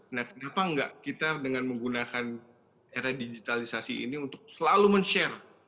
nah kenapa enggak kita dengan menggunakan era digitalisasi ini untuk selalu men share